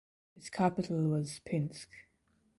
Its capital was Pinsk.